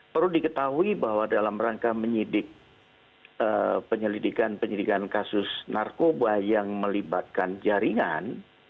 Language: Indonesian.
perlu diketahui bahwa dalam rangka menyidik penyelidikan penyelidikan kasus narkoba yang melibatkan jaringan